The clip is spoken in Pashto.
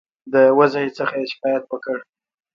د وضع څخه یې شکایت وکړ.